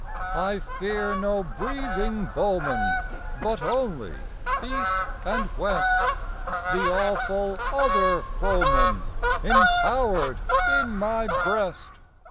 I fear no breathing bowman, But only, east and west, The awful other foeman Impowered in my breast.